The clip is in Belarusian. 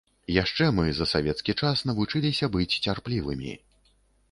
Яшчэ мы за савецкі час навучыліся быць цярплівымі.